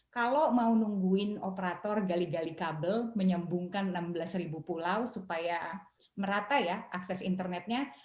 kalau mau nungguin operator gali gali kabel menyembungkan enam belas pulau supaya merata ya akses internetnya